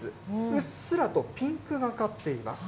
うっすらとピンクがかっています。